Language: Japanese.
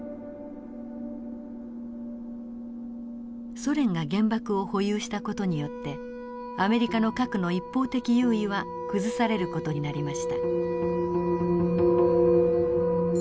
ソ連が原爆を保有した事によってアメリカの核の一方的優位は崩される事になりました。